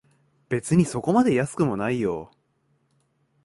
別にそこまで安くもないよ